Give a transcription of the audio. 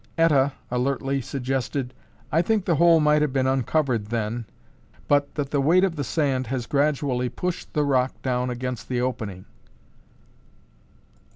Etta alertly suggested, "I think the hole might have been uncovered then, but that the weight of the sand has gradually pushed the rock down against the opening."